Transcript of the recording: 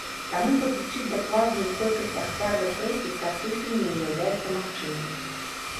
Таму падлічыць дакладную колькасць ахвяр рэпрэсій практычна не ўяўляецца магчымым.